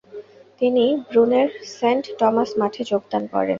তিনি ব্রুনের Saint Thomas মঠে যোগদান করেন।